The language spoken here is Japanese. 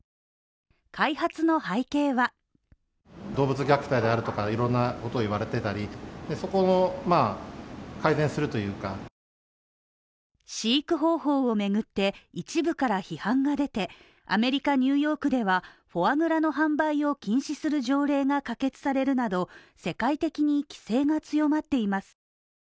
開発の背景は飼育方法を巡って一部から批判が出て、アメリカ・ニューヨークではフォアグラの販売を禁止する条例が可決されるなど世界的に規制が強まっています。